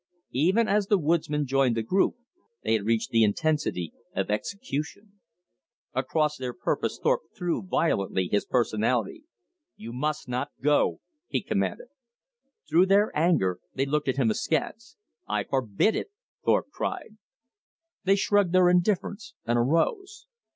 Even as the woodsmen joined their group, they had reached the intensity of execution. Across their purpose Thorpe threw violently his personality. "You must not go," he commanded. Through their anger they looked at him askance. "I forbid it," Thorpe cried. They shrugged their indifference and arose.